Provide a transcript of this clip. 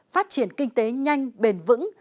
phát triển kinh tế nhanh bền vững